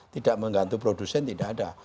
tidak menggantu produsen tidak ada